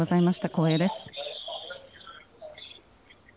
光栄です。